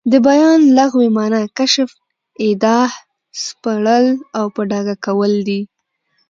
د بیان لغوي مانا کشف، ايضاح، سپړل او په ډاګه کول دي.